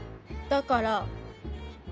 だから。